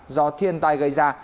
do thiên tai gây ra